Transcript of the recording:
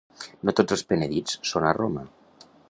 No tots els penedits són a Roma.